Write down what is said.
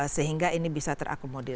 sehingga ini bisa terakomodir